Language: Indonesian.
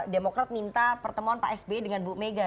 demokrat minta pertemuan pak sp dengan bumega